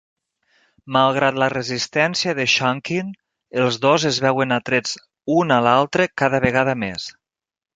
Malgrat la resistència de Shunkin, els dos es veuen atrets un a l'altre cada vegada més.